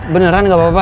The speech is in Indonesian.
beneran gak apa apa